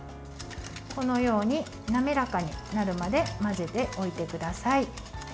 このように、滑らかになるまで混ぜておいてください。